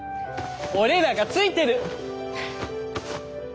俺らがついてる！